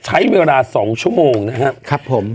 ใช้เวลา๒ชั่วโมงนะครับผม